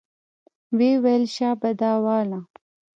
ويې ويل شابه دا واله.